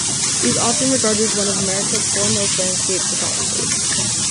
He is often regarded as one of America's foremost landscape photographers.